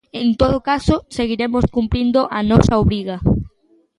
En todo caso, seguiremos cumprindo a nosa obriga.